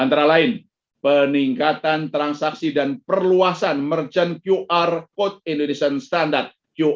antara lain peningkatan transaksi dan perluasan merchant qr code indonesian standard